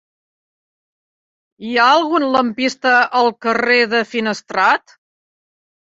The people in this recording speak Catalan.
Hi ha algun lampista al carrer de Finestrat?